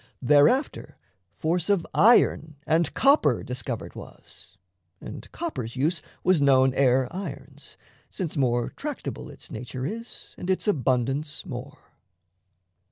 Thereafter force of iron And copper discovered was; and copper's use Was known ere iron's, since more tractable Its nature is and its abundance more.